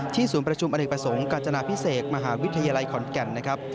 ที่ศูนย์ประชุมอนุปสมกัจจนาพิเศษมหาวิทยาลัยขอนแก่นนะครับ